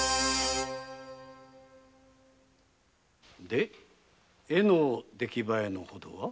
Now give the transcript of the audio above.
で絵の出来栄えのほどは？